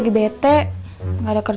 ini resikonya besar